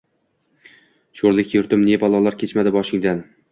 Sho’rlik yurtim! Ne balolar kechmadi boshingdan!